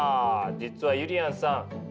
実はゆりやんさん